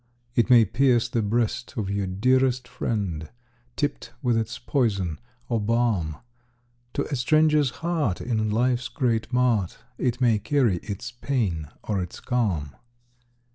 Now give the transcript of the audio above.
It may pierce the breast of your dearest friend, Tipped with its poison or balm; To a stranger's heart in life's great mart, It may carry its pain or its calm.